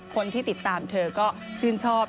คนที่ติดตามเธอก็ชื่นชอบ